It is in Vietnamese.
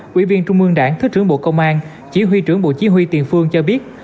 quỹ viên trung mương đảng thứ trưởng bộ công an chỉ huy trưởng bộ chí huy tiền phương cho biết